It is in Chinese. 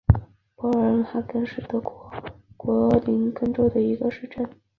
博尔恩哈根是德国图林根州的一个市镇。